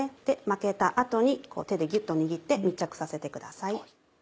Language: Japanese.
巻けた後に手でギュっと握って密着させてください。